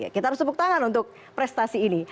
kita harus tepuk tangan untuk prestasi ini